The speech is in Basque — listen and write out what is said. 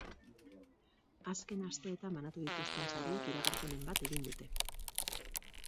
Azken asteetan banatu dituzten sariek iragarpenen bat egin dute.